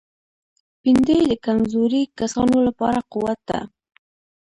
بېنډۍ د کمزوري کسانو لپاره قوت ده